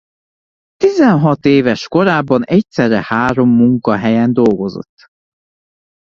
Tizenhat éves korában egyszerre három munkahelyen dolgozott.